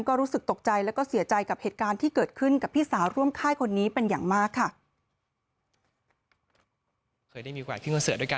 ก็รู้สึกตกใจแล้วก็เสียใจกับเหตุการณ์ที่เกิดขึ้นกับพี่สาวร่วมค่ายคนนี้เป็นอย่างมากค่ะ